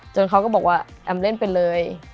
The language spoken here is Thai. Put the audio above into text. เขาก็บอกว่าแอมเล่นไปเลย